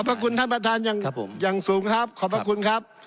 ขอบพระคุณท่านประธานอย่างสูงครับขอบพระคุณครับ